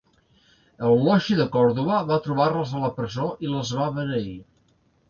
Eulogi de Còrdova va trobar-les a la presó i les va beneir.